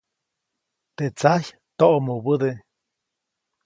Teʼ tsajy toʼmubäde.